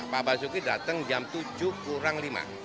pak basuki datang jam tujuh kurang lima